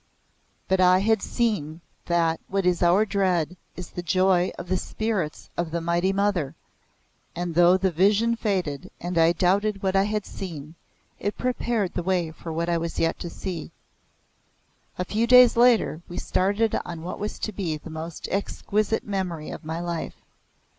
But I had seen that what is our dread is the joy of the spirits of the Mighty Mother, and though the vision faded and I doubted what I had seen, it prepared the way for what I was yet to see. A few days later we started on what was to be the most exquisite memory of my life.